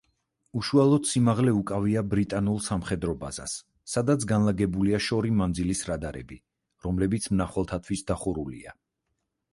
უშუალოდ სიმაღლე უკავია ბრიტანულ სამხედრო ბაზას, სადაც განლაგებულია შორი მანძილის რადარები, რომლებიც მნახველთათვის დახურულია.